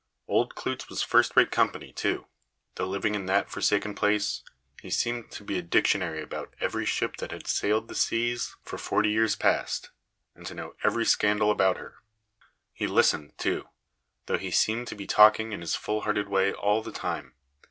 Old Klootz was first rate company, too; though living in that forsaken place he seemed to be a dictionary about every ship that had sailed the seas for forty years past, and to know every scandal about her. He listened, too, though he seemed to be talking in his full hearted way all the time.